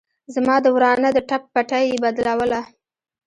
زما د ورانه د ټپ پټۍ يې بدلوله.